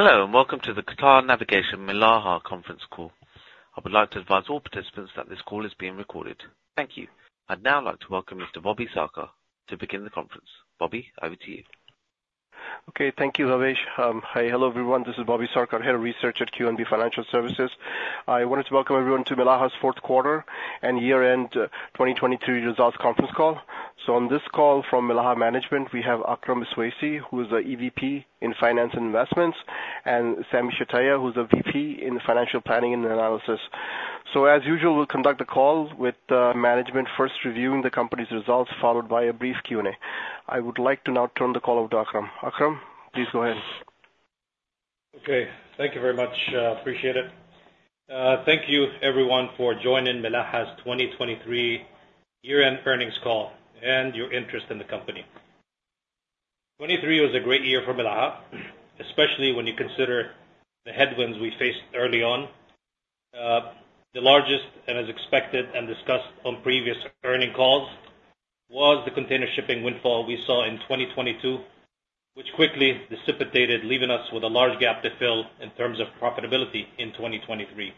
Hello, and welcome to the Qatar Navigation Milaha Conference Call. I would like to advise all participants that this call is being recorded. Thank you. I'd now like to welcome Mr. Bobby Sarkar to begin the conference. Bobby, over to you. Okay, thank you, Havish. Hi. Hello, everyone. This is Bobby Sarkar, Head of Research at QNB Financial Services. I wanted to welcome everyone to Milaha's fourth quarter and year-end 2022 results conference call. So on this call from Milaha management, we have Akram Iswaisi, who is the EVP in Finance & Investments, and Sami Shtayyeh, who's a VP in Financial Planning and Analysis. So as usual, we'll conduct a call with management, first reviewing the company's results, followed by a brief Q&A. I would like to now turn the call over to Akram. Akram, please go ahead. Okay. Thank you very much. Appreciate it. Thank you everyone for joining Milaha's 2023 year-end earnings call and your interest in the company. 2023 was a great year for Milaha, especially when you consider the headwinds we faced early on. The largest and as expected and discussed on previous earnings calls, was the container shipping windfall we saw in 2022, which quickly dissipated, leaving us with a large gap to fill in terms of profitability in 2023.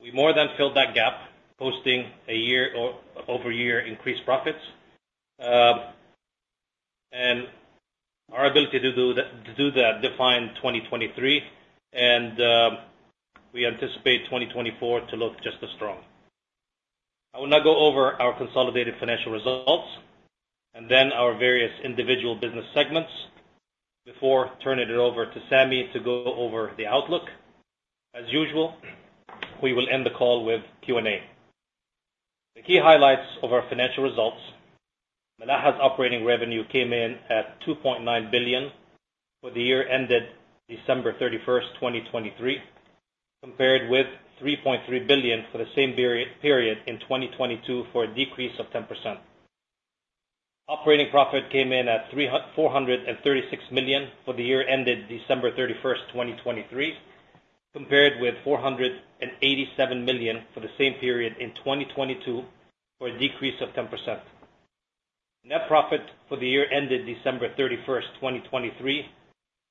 We more than filled that gap, posting a year-over-year increased profits, and our ability to do that, to do that defined 2023, and we anticipate 2024 to look just as strong. I will now go over our consolidated financial results and then our various individual business segments before turning it over to Sami to go over the outlook. As usual, we will end the call with Q&A. The key highlights of our financial results, Milaha's operating revenue came in at 2.9 billion for the year ended December 31, 2023, compared with 3.3 billion for the same period in 2022, for a decrease of 10%. Operating profit came in at 436 million for the year ended December 31, 2023, compared with 487 million for the same period in 2022, for a decrease of 10%. Net profit for the year ended December 31, 2023,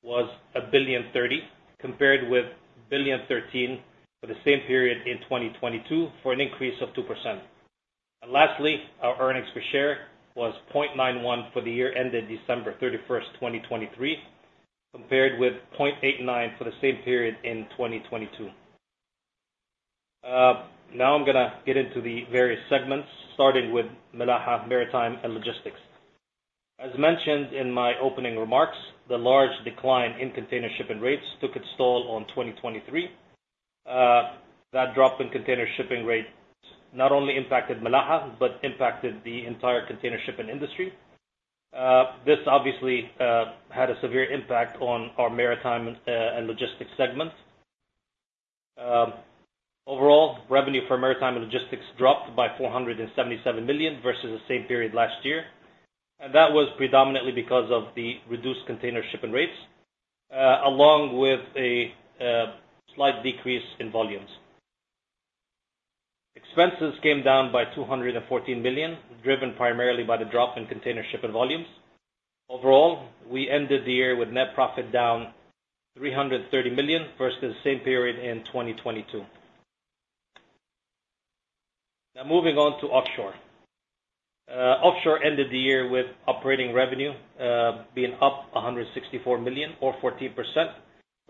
was 1.03 billion, compared with 1.013 billion for the same period in 2022, for an increase of 2%. Lastly, our earnings per share was 0.91 for the year ended December 31, 2023, compared with 0.89 for the same period in 2022. Now I'm gonna get into the various segments, starting with Milaha Maritime and Logistics. As mentioned in my opening remarks, the large decline in container shipping rates took its toll on 2023. That drop in container shipping rates not only impacted Milaha but impacted the entire container shipping industry. This obviously had a severe impact on our maritime and logistics segment. Overall, revenue for maritime and logistics dropped by 477 million versus the same period last year, and that was predominantly because of the reduced container shipping rates, along with a slight decrease in volumes. Expenses came down by 214 million, driven primarily by the drop in container shipping volumes. Overall, we ended the year with net profit down 330 million versus the same period in 2022. Now, moving on to offshore. Offshore ended the year with operating revenue being up 164 million or 14%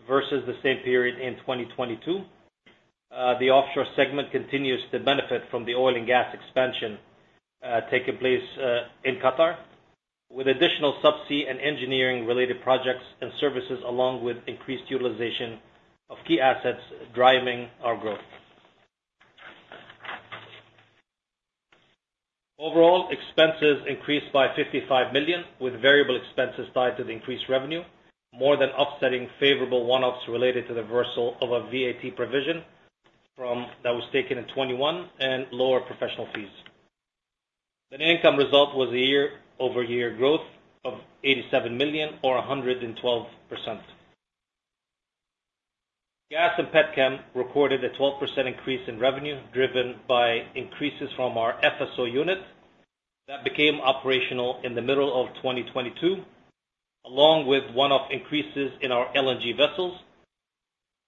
versus the same period in 2022. The offshore segment continues to benefit from the oil and gas expansion taking place in Qatar, with additional subsea and engineering-related projects and services, along with increased utilization of key assets driving our growth. Overall, expenses increased by 55 million, with variable expenses tied to the increased revenue, more than offsetting favorable one-offs related to the reversal of a VAT provision from... that was taken in 2021 and lower professional fees. The net income result was a year-over-year growth of 87 million or 112%. Gas and Petrochem recorded a 12% increase in revenue, driven by increases from our FSO unit that became operational in the middle of 2022, along with one-off increases in our LNG vessels.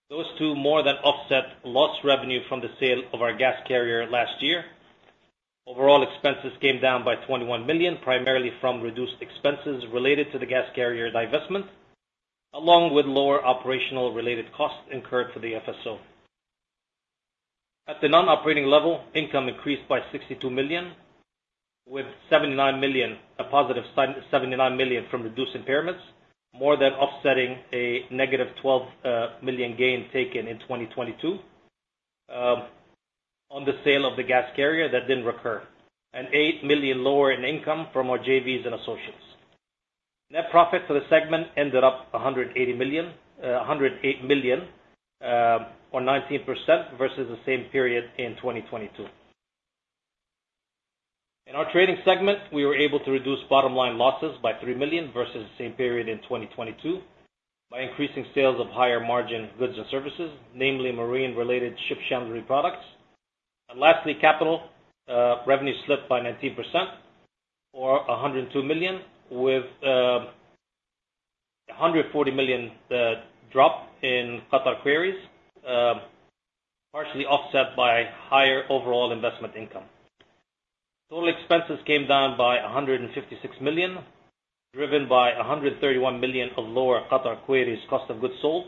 Those two more than offset lost revenue from the sale of our gas carrier last year. Overall expenses came down by 21 million, primarily from reduced expenses related to the gas carrier divestment, along with lower operational-related costs incurred for the FSO. At the non-operating level, income increased by 62 million, with 79 million... A positive 79 million from reduced impairments, more than offsetting a negative 12 million gain taken in 2022, on the sale of the gas carrier that didn't recur, and 8 million lower in income from our JVs and associates. Net profit for the segment ended up 180 million, 108 million, or 19% versus the same period in 2022. In our trading segment, we were able to reduce bottom-line losses by 3 million versus the same period in 2022, by increasing sales of higher-margin goods and services, namely marine-related ship chandlery products. Lastly, capital revenue slipped by 19%, or 102 million, with 140 million drop in Qatar Quarries, partially offset by higher overall investment income. Total expenses came down by 156 million, driven by 131 million of lower Qatar Quarries cost of goods sold.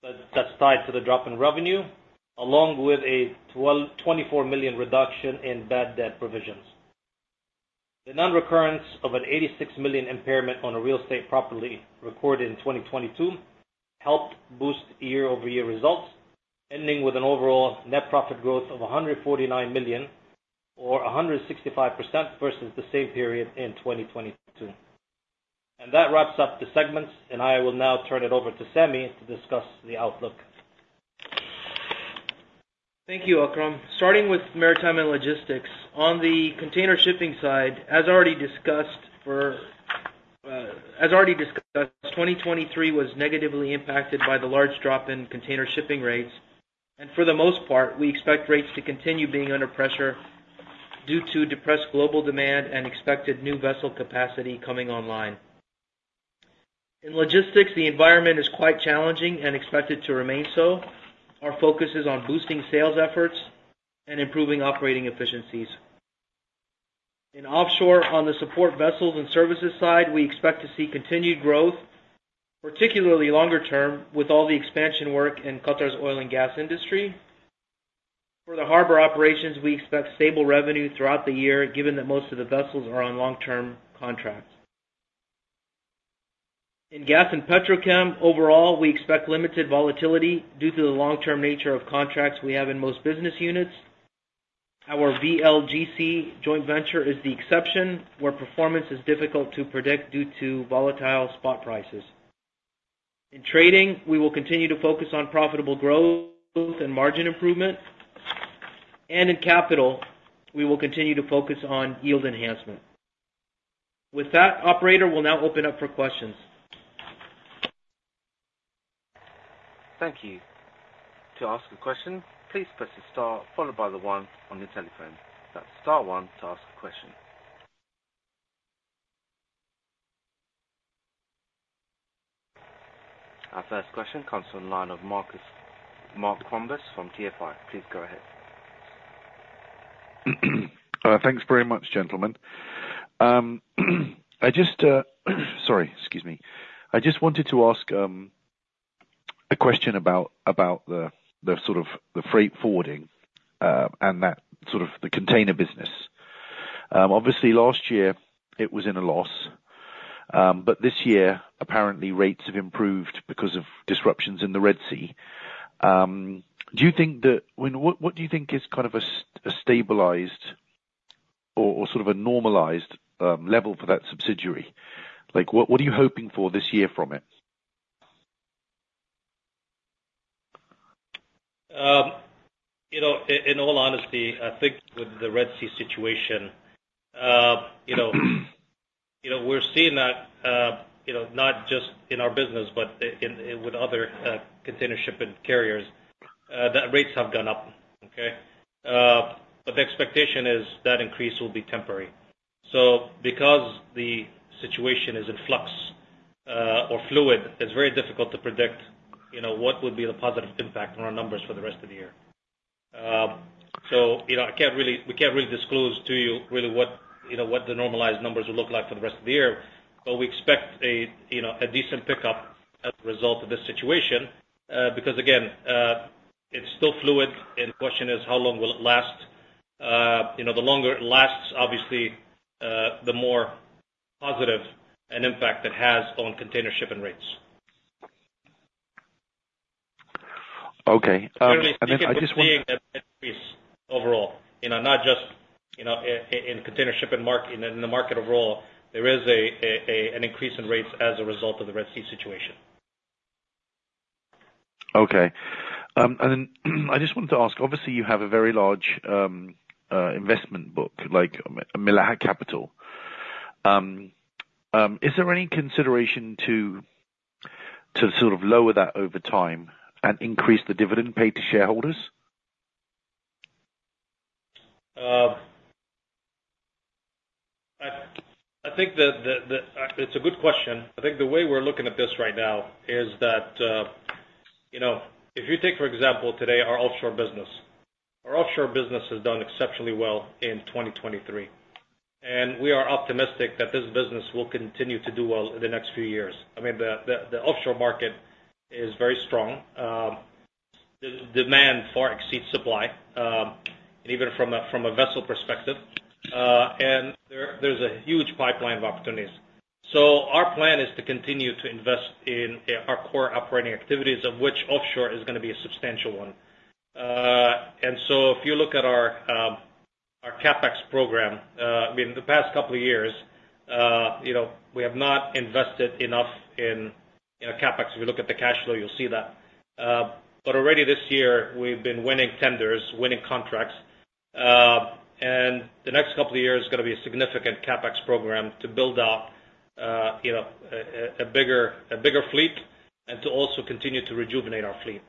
But that's tied to the drop in revenue, along with a twenty-four million reduction in bad debt provisions. The non-recurrence of a 86 million impairment on a real estate property recorded in 2022 helped boost year-over-year results, ending with an overall net profit growth of 149 million or 165% versus the same period in 2022. That wraps up the segments, and I will now turn it over to Sami to discuss the outlook. Thank you, Akram. Starting with maritime and logistics, on the container shipping side, as already discussed for, as already discussed, 2023 was negatively impacted by the large drop in container shipping rates, and for the most part, we expect rates to continue being under pressure due to depressed global demand and expected new vessel capacity coming online. In logistics, the environment is quite challenging and expected to remain so. Our focus is on boosting sales efforts and improving operating efficiencies. In offshore, on the support vessels and services side, we expect to see continued growth, particularly longer term, with all the expansion work in Qatar's oil and gas industry. For the harbor operations, we expect stable revenue throughout the year, given that most of the vessels are on long-term contracts. In gas and petrochem, overall, we expect limited volatility due to the long-term nature of contracts we have in most business units. Our VLGC joint venture is the exception, where performance is difficult to predict due to volatile spot prices. In trading, we will continue to focus on profitable growth and margin improvement. And in capital, we will continue to focus on yield enhancement. With that, operator, we'll now open up for questions. Thank you. To ask a question, please press the star followed by the one on your telephone. That's star one to ask a question. Our first question comes from the line of Marcus Coombes from TFI. Please go ahead. Thanks very much, gentlemen. Sorry, excuse me. I just wanted to ask a question about the sort of the freight forwarding and that sort of the container business. Obviously last year it was in a loss, but this year, apparently rates have improved because of disruptions in the Red Sea. Do you think that? What do you think is kind of a stabilized or sort of a normalized level for that subsidiary? Like, what are you hoping for this year from it? In all honesty, I think with the Red Sea situation, you know, you know, we're seeing that, you know, not just in our business, but in with other, container shipping carriers, that rates have gone up. Okay? But the expectation is that increase will be temporary. So because the situation is in flux, or fluid, it's very difficult to predict, you know, what would be the positive impact on our numbers for the rest of the year. So, you know, I can't really, we can't really disclose to you really what, you know, what the normalized numbers will look like for the rest of the year, but we expect a, you know, a decent pickup as a result of this situation. Because, again, it's still fluid, and the question is, how long will it last? You know, the longer it lasts, obviously, the more positive an impact it has on container shipping rates. Okay, and then I just want- Overall, you know, not just, you know, in container shipping market, in the market overall, there is an increase in rates as a result of the Red Sea situation. Okay. And then, I just wanted to ask, obviously, you have a very large investment book, like Milaha Capital. Is there any consideration to sort of lower that over time and increase the dividend paid to shareholders? I think it's a good question. I think the way we're looking at this right now is that, you know, if you take, for example, today, our offshore business. Our offshore business has done exceptionally well in 2023, and we are optimistic that this business will continue to do well in the next few years. I mean, the offshore market is very strong. The demand far exceeds supply, even from a vessel perspective, and there's a huge pipeline of opportunities. So our plan is to continue to invest in our core operating activities, of which offshore is gonna be a substantial one. And so if you look at our CapEx program, I mean, the past couple of years, you know, we have not invested enough in our CapEx. If you look at the cash flow, you'll see that. But already this year, we've been winning tenders, winning contracts, and the next couple of years is gonna be a significant CapEx program to build out a bigger, a bigger fleet, and to also continue to rejuvenate our fleet.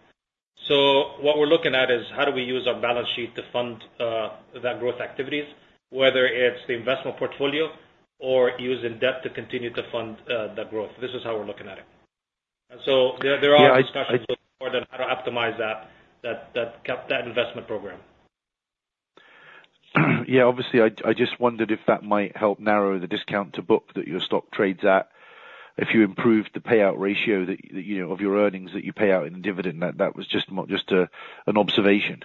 So what we're looking at is how do we use our balance sheet to fund that growth activities, whether it's the investment portfolio or using debt to continue to fund that growth? This is how we're looking at it. And so there, there are- Yeah, I- Discussions with the board on how to optimize that investment program. Yeah, obviously, I just wondered if that might help narrow the discount to book that your stock trades at, if you improved the payout ratio, you know, of your earnings that you pay out in dividend. That was just an observation.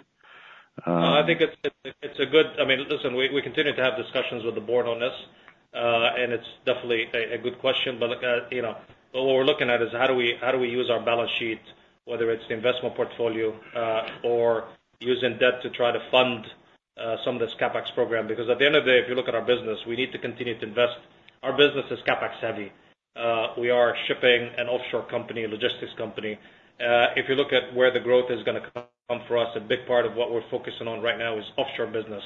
No, I think it's a good... I mean, listen, we continue to have discussions with the board on this, and it's definitely a good question. But, you know, but what we're looking at is how do we use our balance sheet, whether it's the investment portfolio, or using debt to try to fund some of this CapEx program? Because at the end of the day, if you look at our business, we need to continue to invest. Our business is CapEx heavy. We are a shipping and offshore company, a logistics company. If you look at where the growth is gonna come from for us, a big part of what we're focusing on right now is offshore business.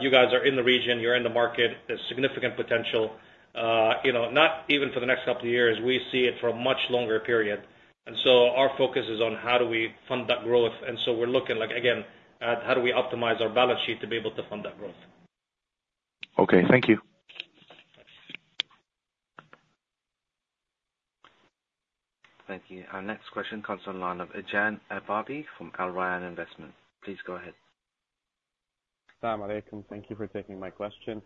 You guys are in the region, you're in the market. There's significant potential, you know, not even for the next couple of years, we see it for a much longer period. And so our focus is on how do we fund that growth? And so we're looking, like, again, at how do we optimize our balance sheet to be able to fund that growth. Okay, thank you. Thank you. Our next question comes on the line of Ejayan Al-ahbabi from Al Rayan Investment. Please go ahead. Sami, thank you for taking my question.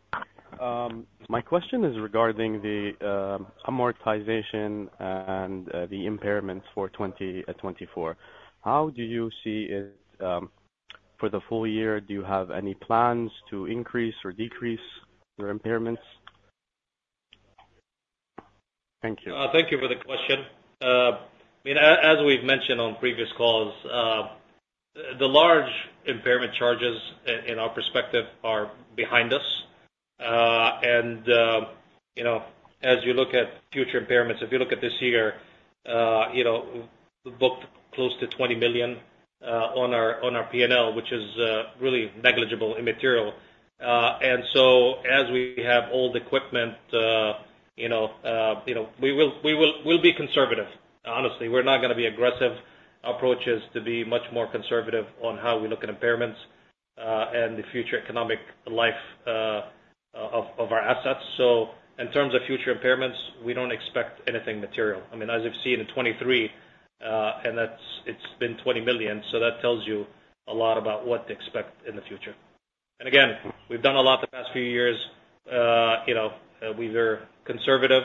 My question is regarding the amortization and the impairments for 2024. How do you see it for the full year? Do you have any plans to increase or decrease your impairments? Thank you. Thank you for the question. I mean, as we've mentioned on previous calls, the large impairment charges in our perspective are behind us. And you know, as you look at future impairments, if you look at this year, you know, we booked close to 20 million on our P&L, which is really negligible, immaterial. And so as we have old equipment, you know, we will be conservative. Honestly, we're not gonna be aggressive, approaches to be much more conservative on how we look at impairments, and the future economic life of our assets. So in terms of future impairments, we don't expect anything material. I mean, as you've seen in 2023, and that's, it's been 20 million, so that tells you a lot about what to expect in the future. And again, we've done a lot the past few years. You know, we were conservative.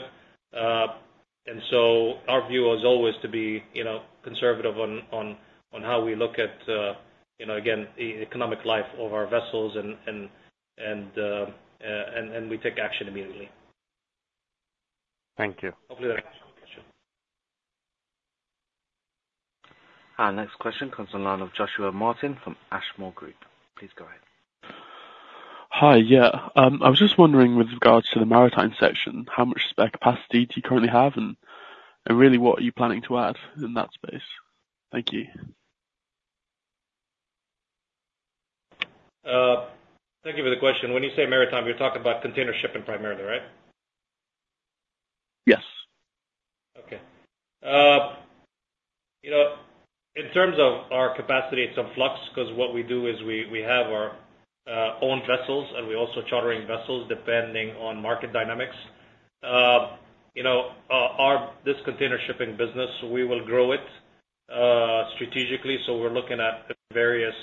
And so our view is always to be, you know, conservative on how we look at, you know, again, the economic life of our vessels and we take action immediately. Thank you. Hopefully, that answers your question. Our next question comes on the line of Joshua Martin from Ashmore Group. Please go ahead. Hi, yeah. I was just wondering with regards to the maritime section, how much spare capacity do you currently have? And really, what are you planning to add in that space? Thank you. Thank you for the question. When you say maritime, you're talking about container shipping primarily, right? Yes. Okay. You know, in terms of our capacity, it's in flux, 'cause what we do is we have our own vessels, and we're also chartering vessels, depending on market dynamics. You know, this container shipping business, we will grow it strategically. So we're looking at various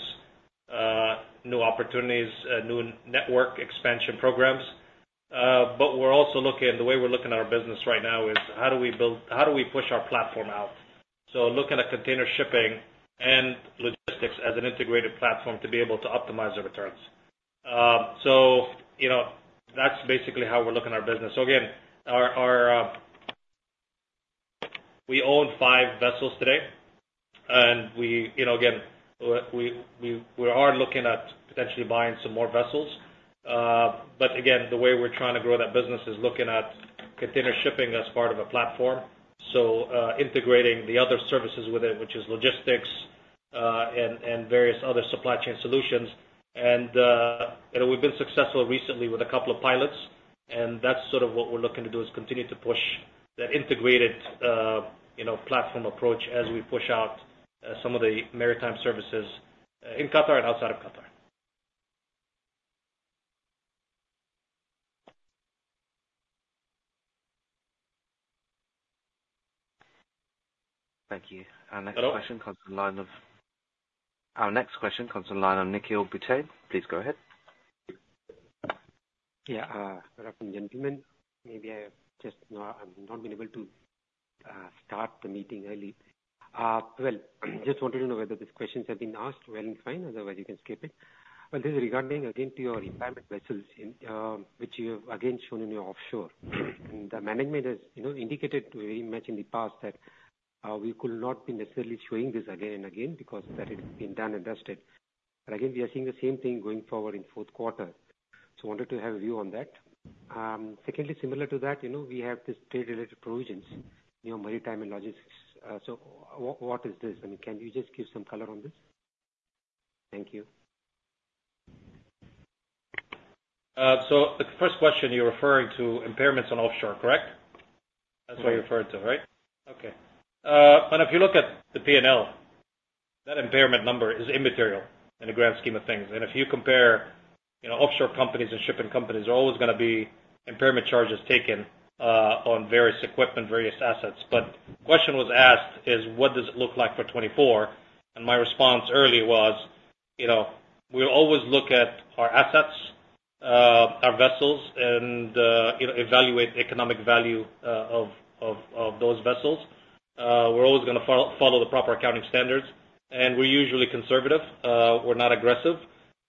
new opportunities, new network expansion programs. But we're also looking. The way we're looking at our business right now is: How do we push our platform out? So looking at container shipping and logistics as an integrated platform to be able to optimize the returns. So, you know, that's basically how we're looking at our business. So again, we own five vessels today, and you know, again, we are looking at potentially buying some more vessels. But again, the way we're trying to grow that business is looking at container shipping as part of a platform, so, integrating the other services with it, which is logistics, and, and various other supply chain solutions. And, you know, we've been successful recently with a couple of pilots, and that's sort of what we're looking to do, is continue to push that integrated, you know, platform approach as we push out, some of the maritime services, in Qatar and outside of Qatar. Thank you. Hello? Our next question comes from the line of Nikhil Bhutani. Please go ahead. Yeah, good afternoon, gentlemen. Maybe I've not been able to start the meeting early. Well, just wanted to know whether these questions have been asked, well and fine, otherwise you can skip it. But this is regarding again to your impairment vessels, which you have again shown in your Offshore. And the management has, you know, indicated very much in the past that we could not be necessarily showing this again and again because that has been done and dusted. But again, we are seeing the same thing going forward in fourth quarter. So wanted to have a view on that. Secondly, similar to that, you know, we have the state-related provisions, you know, Maritime and Logistics. So what is this? I mean, can you just give some color on this? Thank you.... So the first question, you're referring to impairments on offshore, correct? That's what you referred to, right? Okay. But if you look at the P&L, that impairment number is immaterial in the grand scheme of things. And if you compare, you know, offshore companies and shipping companies, there are always gonna be impairment charges taken on various equipment, various assets. But the question was asked is, what does it look like for 2024? And my response earlier was, you know, we'll always look at our assets, our vessels, and, you know, evaluate the economic value of those vessels. We're always gonna follow the proper accounting standards, and we're usually conservative, we're not aggressive.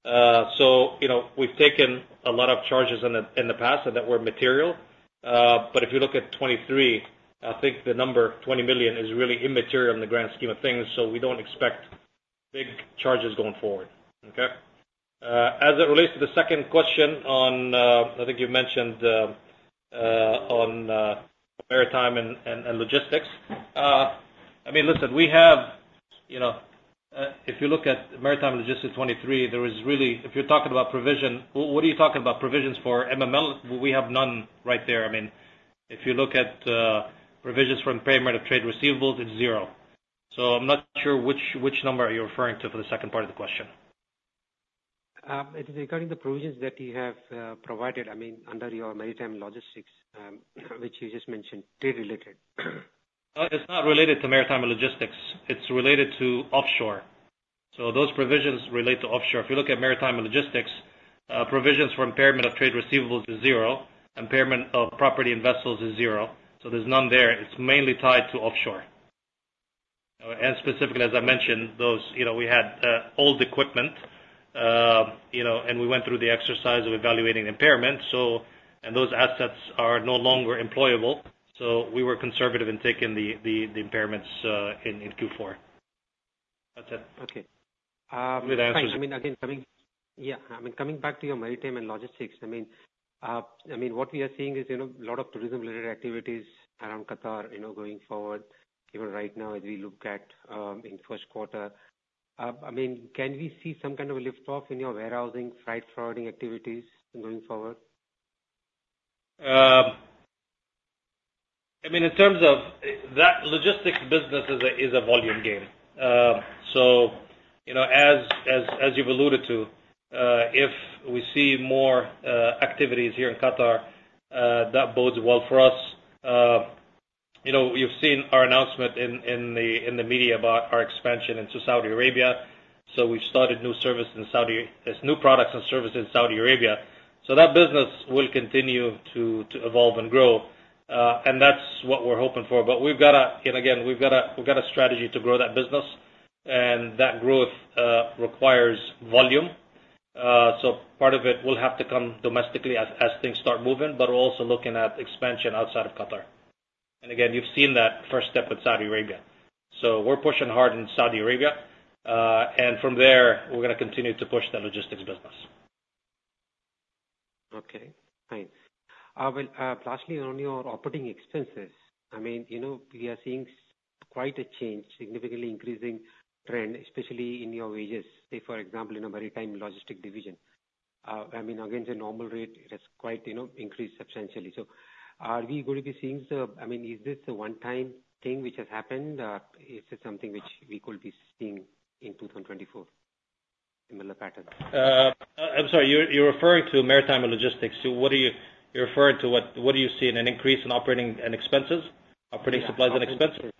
So, you know, we've taken a lot of charges in the past that were material, but if you look at 2023, I think the number 20 million is really immaterial in the grand scheme of things, so we don't expect big charges going forward. Okay? As it relates to the second question on, I think you mentioned, on maritime and logistics. I mean, listen, we have, you know, if you look at maritime logistics 2023, there was really... If you're talking about provision, what are you talking about provisions for MML? We have none right there. I mean, if you look at provisions from impairment of trade receivables, it's 0. So I'm not sure which number are you referring to for the second part of the question? It is regarding the provisions that you have provided, I mean, under your maritime logistics, which you just mentioned, trade-related. It's not related to maritime logistics, it's related to offshore. So those provisions relate to offshore. If you look at maritime and logistics, provisions for impairment of trade receivables is zero, impairment of property and vessels is zero, so there's none there. It's mainly tied to offshore. And specifically, as I mentioned, those, you know, we had old equipment, and we went through the exercise of evaluating impairment. So, and those assets are no longer employable, so we were conservative in taking the impairments in Q4. That's it. Okay. Uh- Did I answer? I mean, again, yeah, I mean, coming back to your maritime and logistics, I mean, what we are seeing is, you know, a lot of tourism-related activities around Qatar, you know, going forward. Even right now, as we look at in first quarter, I mean, can we see some kind of a lift-off in your warehousing, freight forwarding activities going forward? I mean, in terms of that logistics business is a volume game. So, you know, as you've alluded to, if we see more activities here in Qatar, that bodes well for us. You know, you've seen our announcement in the media about our expansion into Saudi Arabia, so we've started new products and services in Saudi Arabia. So that business will continue to evolve and grow, and that's what we're hoping for. But we've got a strategy to grow that business, and that growth requires volume. So part of it will have to come domestically as things start moving, but we're also looking at expansion outside of Qatar. And again, you've seen that first step with Saudi Arabia. We're pushing hard in Saudi Arabia, and from there, we're gonna continue to push the logistics business. Okay, fine. Well, lastly, on your operating expenses, I mean, you know, we are seeing quite a change, significantly increasing trend, especially in your wages. Say, for example, in a maritime logistics division, I mean, against the normal rate, it has quite, you know, increased substantially. So are we going to be seeing the, I mean, is this a one-time thing which has happened? Is it something which we could be seeing in 2024, similar pattern? I'm sorry, you're, you're referring to maritime and logistics. So what are you- you're referring to what, what do you see? An increase in operating and expenses, operating supplies and expenses?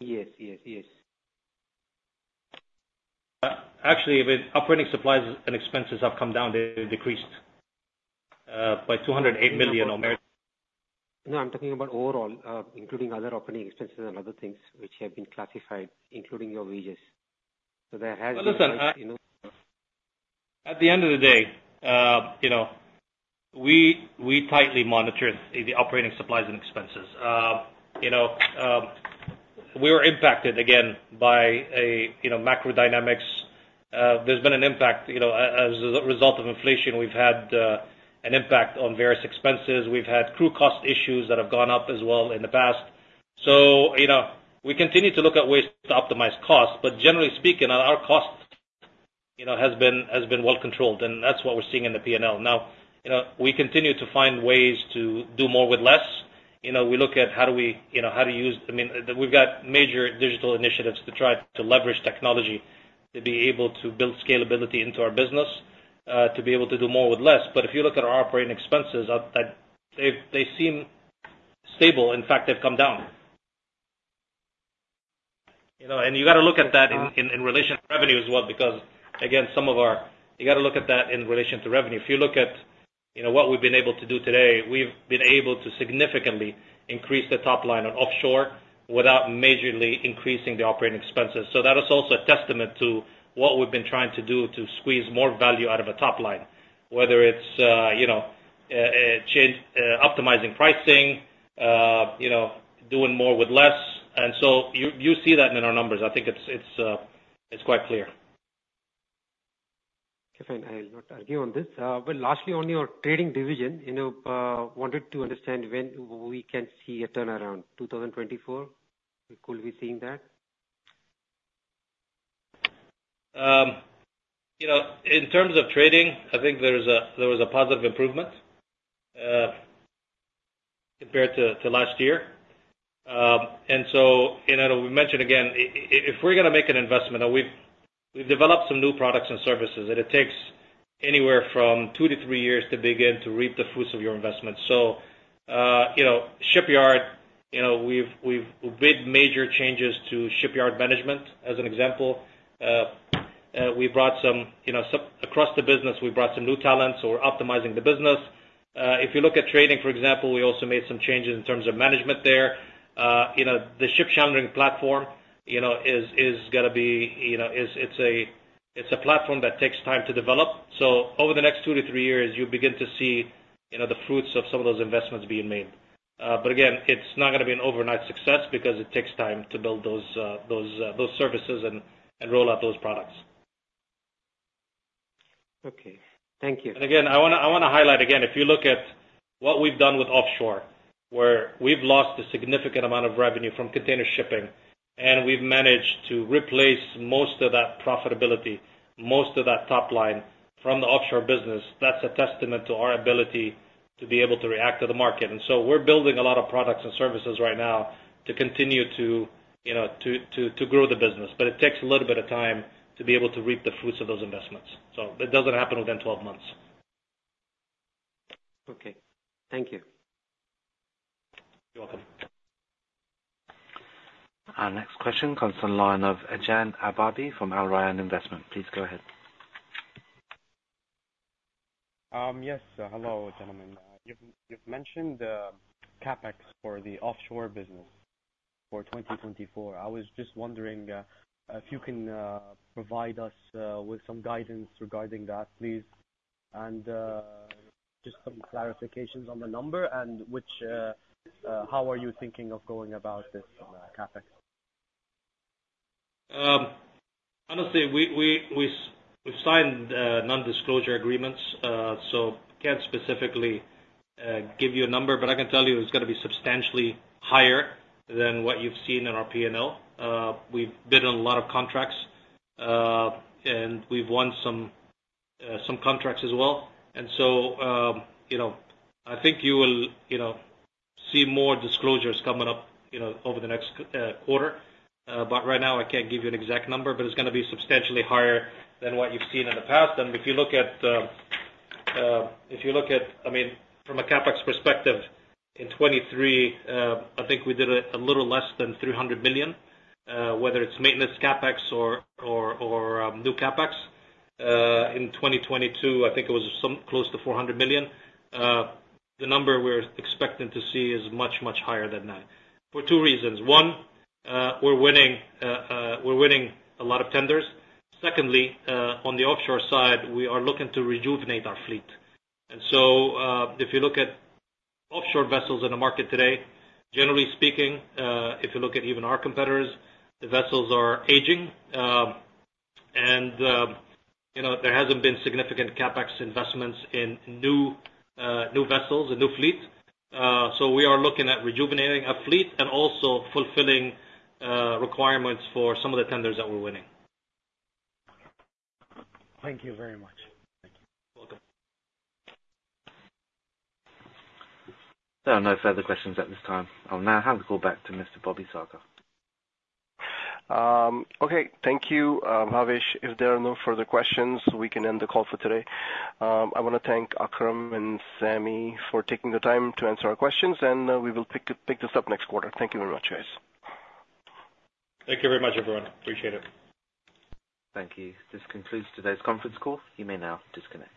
Yes, yes, yes. Actually, with operating supplies and expenses have come down. They've decreased by 208 million on- No, I'm talking about overall, including other operating expenses and other things which have been classified, including your wages. So there has been, you know- Listen, at the end of the day, you know, we tightly monitor the operating supplies and expenses. You know, we were impacted again by, you know, macro dynamics. There's been an impact, you know, as a result of inflation; we've had an impact on various expenses. We've had crew cost issues that have gone up as well in the past. So, you know, we continue to look at ways to optimize costs, but generally speaking, our costs, you know, has been well controlled, and that's what we're seeing in the P&L. Now, you know, we continue to find ways to do more with less. You know, we look at how do we, you know, how to use... I mean, we've got major digital initiatives to try to leverage technology, to be able to build scalability into our business, to be able to do more with less. But if you look at our operating expenses, they seem stable. In fact, they've come down. You know, and you got to look at that in relation to revenue as well, because, again, some of our... You got to look at that in relation to revenue. If you look at, you know, what we've been able to do today, we've been able to significantly increase the top line on offshore without majorly increasing the operating expenses. So that is also a testament to what we've been trying to do to squeeze more value out of the top line, whether it's, you know, change, optimizing pricing, you know, doing more with less. And so you see that in our numbers. I think it's quite clear. Okay, fine. I will not argue on this. But lastly, on your trading division, you know, wanted to understand when we can see a turnaround. 2024, we could be seeing that? You know, in terms of trading, I think there's a, there was a positive improvement compared to last year. And so, you know, we mentioned again, if we're gonna make an investment, and we've developed some new products and services, and it takes anywhere from 2-3 years to begin to reap the fruits of your investment. So, you know, shipyard, you know, we've made major changes to shipyard management, as an example. We brought some, you know, some across the business, we brought some new talents, so we're optimizing the business. If you look at trading, for example, we also made some changes in terms of management there. You know, the ship chartering platform, you know, is gonna be, you know, it's a platform that takes time to develop. So over the next 2-3 years, you'll begin to see, you know, the fruits of some of those investments being made. But again, it's not gonna be an overnight success because it takes time to build those services and roll out those products. Okay, thank you. Again, I wanna, I wanna highlight again, if you look at what we've done with offshore, where we've lost a significant amount of revenue from container shipping, and we've managed to replace most of that profitability, most of that top line from the offshore business, that's a testament to our ability to be able to react to the market. So we're building a lot of products and services right now to continue to, you know, grow the business. But it takes a little bit of time to be able to reap the fruits of those investments. So it doesn't happen within 12 months. Okay, thank you. You're welcome. Our next question comes from the line of Ejayan Al-Ahbabi from Al Rayan Investment. Please go ahead. Yes. Hello, gentlemen. You've mentioned CapEx for the offshore business for 2024. I was just wondering if you can provide us with some guidance regarding that, please, and just some clarifications on the number and which how are you thinking of going about this CapEx? Honestly, we've signed non-disclosure agreements, so can't specifically give you a number, but I can tell you it's gonna be substantially higher than what you've seen in our P&L. We've bid on a lot of contracts, and we've won some contracts as well. And so, you know, I think you will, you know, see more disclosures coming up, you know, over the next quarter. But right now, I can't give you an exact number, but it's gonna be substantially higher than what you've seen in the past. And if you look at, I mean, from a CapEx perspective, in 2023, I think we did a little less than 300 million, whether it's maintenance CapEx or new CapEx. In 2022, I think it was some close to 400 million. The number we're expecting to see is much, much higher than that, for two reasons. One, we're winning a lot of tenders. Secondly, on the offshore side, we are looking to rejuvenate our fleet. And so, if you look at offshore vessels in the market today, generally speaking, if you look at even our competitors, the vessels are aging. And, you know, there hasn't been significant CapEx investments in new, new vessels, a new fleet. So we are looking at rejuvenating our fleet and also fulfilling requirements for some of the tenders that we're winning. Thank you very much. Thank you. Welcome. There are no further questions at this time. I'll now hand the call back to Mr. Bobby Sarkar. Okay. Thank you, Havish. If there are no further questions, we can end the call for today. I wanna thank Akram and Sami for taking the time to answer our questions, and we will pick this up next quarter. Thank you very much, guys. Thank you very much, everyone. Appreciate it. Thank you. This concludes today's conference call. You may now disconnect.